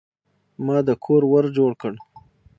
ما د کور ور جوړ کړ.